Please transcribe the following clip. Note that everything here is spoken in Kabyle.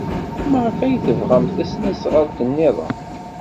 Maɣef ay tebɣamt tasnasɣalt niḍen?